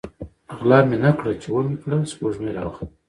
ـ غله مې نه کړه ،چې ومې کړه سپوږمۍ راوخته.